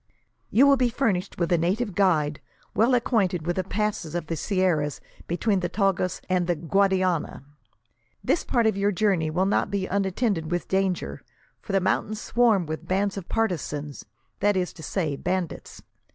"You will be furnished with a native guide, well acquainted with the passes of the sierras between the Tagus and the Guadiana. This part of your journey will not be unattended with danger, for the mountains swarm with bands of partisans; that is to say, bandits.